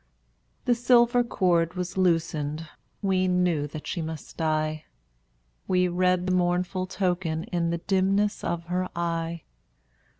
The silver cord was loosened, We knew that she must die; We read the mournful token In the dimness of her eye.